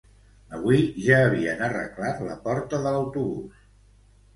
Avui ja havien arreglat la porta de l'autobús